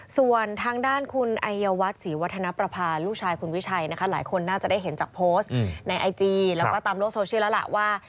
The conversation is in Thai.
ส่วนทางด้านคุณไอยวัฒน์ศรีวัฒนประพาลูกชายคุณวิชัยนะคะหลายคนน่าจะได้เห็นจากโพสต์ในไอจีแล้วก็ตามโลกโซเชียลแล้วล่ะว่า